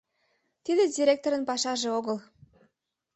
Тиде директорын пашаже огыл.